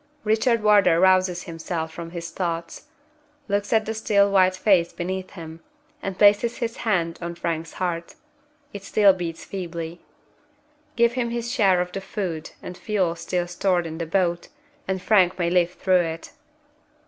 Richard Wardour rouses himself from his thoughts looks at the still white face beneath him and places his hand on Frank's heart. It still beats feebly. Give him his share of the food and fuel still stored in the boat, and Frank may live through it.